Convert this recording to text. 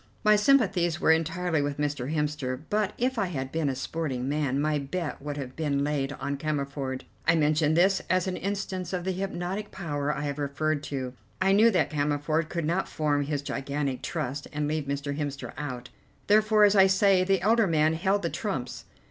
My sympathies were entirely with Mr. Hemster, but if I had been a sporting man my bet would have been laid on Cammerford. I mention this as an instance of the hypnotic power I have referred to. I knew that Cammerford could not form his gigantic trust and leave Mr. Hemster out; therefore, as I say, the elder man held the trumps.